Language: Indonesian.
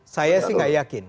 saya sih gak yakin